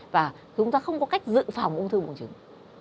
và chúng ta không có cách dự phòng ung thư bùng trứng